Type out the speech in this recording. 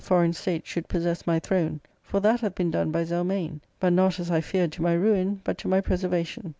foreign state should possess my throne. For that hath been done by Zelmane, but not as I feared to my ruin, but to my preservatioh."